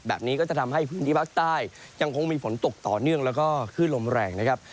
แบบนี้ก็จะทำให้พื้นที่ภาคใต้ยังคงมีฝนตกต่อเนื่องแล้วก็ขึ้นลมแรงนะครับ